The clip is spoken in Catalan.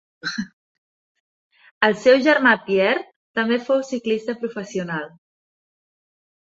El seu germà Pierre també fou ciclista professional.